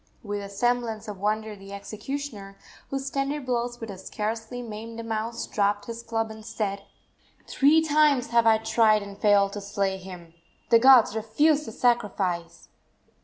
With a semblance of wonder the executioner, whose tender blows would have scarcely maimed a mouse, dropped his club and said: "Three times have I tried and failed to slay him! The gods refuse the sacrifice!"